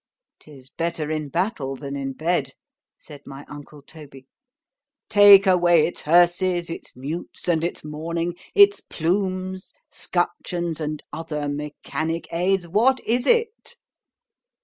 —'Tis better in battle than in bed, said my uncle Toby.—Take away its hearses, its mutes, and its mourning,—its plumes, scutcheons, and other mechanic aids—What is it?